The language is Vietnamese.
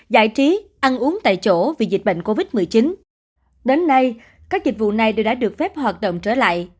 giải trí ăn uống tại chỗ vì dịch bệnh covid một mươi chín đến nay các dịch vụ này đều đã được phép hoạt động trở lại